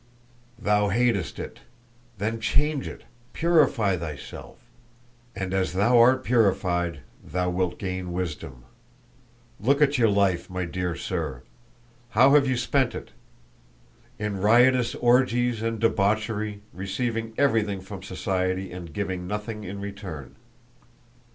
"Thou hatest it. Then change it, purify thyself; and as thou art purified, thou wilt gain wisdom. Look at your life, my dear sir. How have you spent it? In riotous orgies and debauchery, receiving everything from society and giving nothing in return.